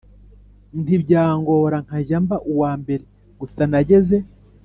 ntibyangora nkajya mba uwambere gusa nageze